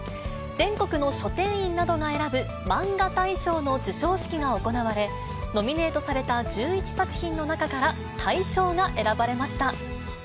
全国の書店員などが選ぶマンガ大賞の授賞式が行われ、ノミネートされた１１作品の中から、大賞が選ばれました。